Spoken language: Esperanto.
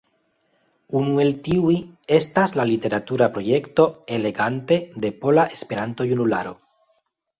Unu el tiuj estas la literatura projekto E-legante de Pola Esperanto-Junularo.